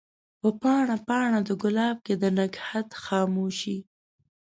په پاڼه ، پاڼه دګلاب کښي د نګهت خاموشی